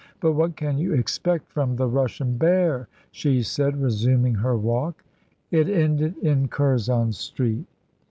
"But what can you expect from the Russian bear?" she said, resuming her walk. It ended in Curzon Street.